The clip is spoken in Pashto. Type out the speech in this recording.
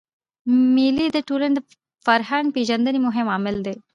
مېلې د ټولني د فرهنګ پېژندني مهم عامل دئ.